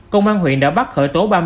công an huyện đã bắt khởi tố ba mươi ba